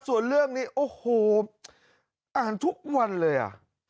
ส่วนเรื่องนี้โอ้โหอ่านทุกวันเลยอ่ะ